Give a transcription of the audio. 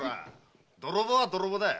泥棒は泥棒だよ。